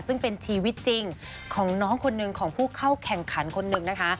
ซึ่งเป็นชีวิตจริงของน้องคนหนึ่งของผู้เข้าแข่งขันคนหนึ่งนะคะ